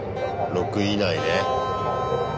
６位以内ね。